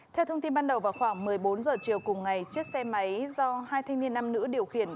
theo thông tin ban đầu vào khoảng một mươi bốn h chiều cùng ngày chiếc xe máy do hai thanh niên nam nữ điều khiển